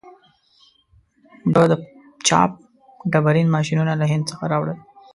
ده د چاپ ډبرین ماشینونه له هند څخه راوړل.